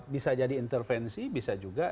bisa jadi intervensi bisa juga